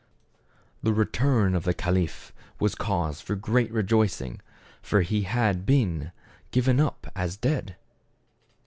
The return of the caliph was cause for great rejoicing, for he had been given up as dead.